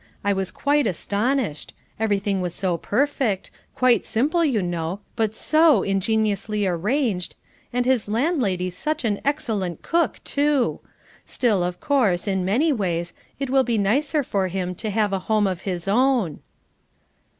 I was quite astonished: everything was so perfect quite simple, you know, but so ingeniously arranged, and his landlady such an excellent cook, too! Still, of course, in many ways, it will be nicer for him to have a home of his own."